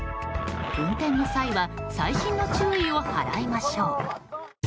運転の際は細心の注意を払いましょう。